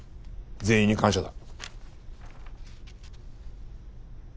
全員に感謝だ。